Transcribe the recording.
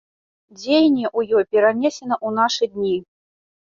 Дзеянне ў ёй перанесена ў нашы дні.